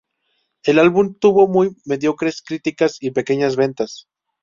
El álbum tuvo muy mediocres críticas y pequeñas ventas.